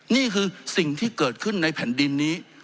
นี่คือสิ่งที่เกิดขึ้นในแผ่นดินนี้